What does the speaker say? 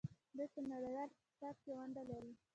دوی په نړیوال اقتصاد کې ونډه لري.